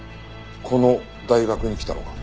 この大学に来たのか？